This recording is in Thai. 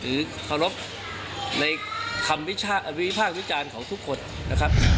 เคารพในคำวิพากษ์วิจารณ์ของทุกคนนะครับ